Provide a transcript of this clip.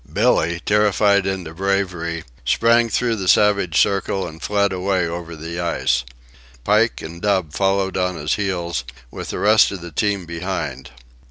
Billee, terrified into bravery, sprang through the savage circle and fled away over the ice. Pike and Dub followed on his heels, with the rest of the team behind.